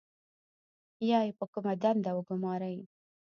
یا یې په کومه دنده وګمارئ.